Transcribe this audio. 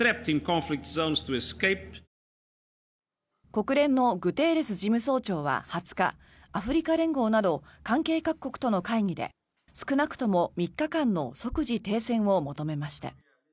国連のグテーレス事務総長は２０日アフリカ連合など関係各国との会議で少なくとも３日間の即時停戦を求めました。